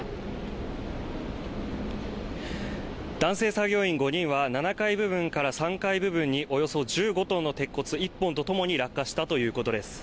作業員５人は７階部分から３階部分におよそ１５トンの鉄骨１本とともに落下したということです